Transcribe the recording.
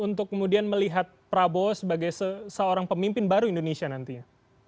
untuk kemudian melihat prabowo sebagai seorang pemimpin baru indonesia nantinya